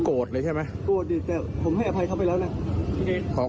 โกรธดีแต่ผมให้อภัยเค้าไปแล้วนะ